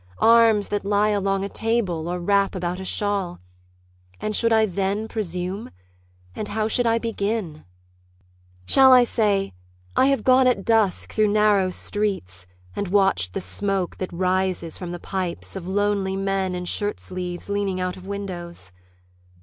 Arms that lie along a table, or wrap about a shawl. And should I then presume? And how should I begin? ......... Shall I say, I have gone at dusk through narrow streets And watched the smoke that rises from the pipes Of lonely men in shirt sleeves, leaning out of windows?